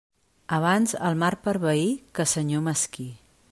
Abans el mar per veí que senyor mesquí.